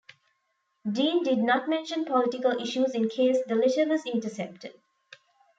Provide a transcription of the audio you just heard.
Deane did not mention political issues in case the letter was intercepted.